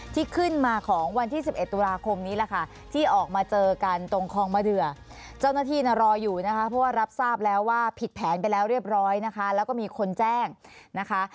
ที่ขึ้นมาของวันที่๑๑ตุลาคมนี้แหละค่ะที่ออกมาเจอกันตรงคลองมะเดือเจ้าหน้าที่นะรออยู่นะคะเพราะว่ารับทราบแล้วว่าผิดแผนไปแล้วเรียบร้อยนะคะแล้วก็มีคนแจ้งนะคะ